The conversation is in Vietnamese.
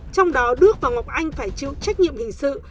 trong đó đức và ngọc anh phải chịu trách nhiệm hình sự